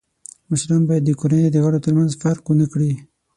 مشران باید د کورنۍ د غړو تر منځ فرق و نه کړي.